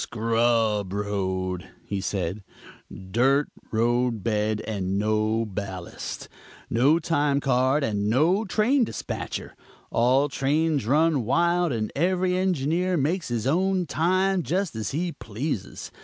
"Scrub road," he said, "dirt road bed and no ballast; no time card, and no train dispatcher. All trains run wild and every engineer makes his own time, just as he pleases.